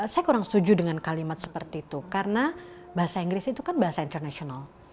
saya kurang setuju dengan kalimat seperti itu karena bahasa inggris itu kan bahasa internasional